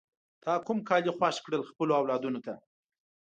تا کوم کالی خوښ کړل خپلو اولادونو ته؟